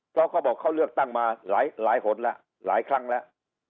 เพราะเขาบอกเขาเลือกตั้งมาหลายหนแล้วหลายครั้งแล้ว